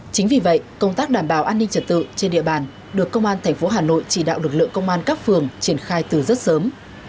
chính vì vậy công tác đảm bảo an ninh trật tự trên địa bàn được công an tp hà nội chỉ đạo lực lượng công an các phường triển khai từ rất sớm